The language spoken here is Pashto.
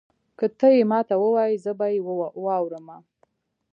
که تۀ یې ماته ووایي زه به یې واورمه.